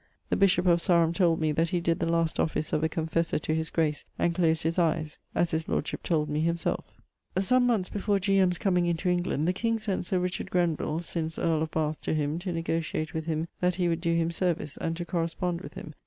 The bishop of Sarum told me that he did the last office of a confessor to his grace; and closed his eies, as his lordship told me himselfe. Some moneths before G. M.'s comeing into England, the king sent Sir Richard Grenvill (since earl of Bath) to him to negotiate with him that he would doe him service, and to correspond with him.